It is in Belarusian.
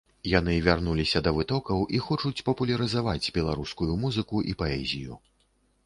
Яны вярнуліся да вытокаў і хочуць папулярызаваць беларускую музыку і паэзію.